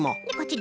で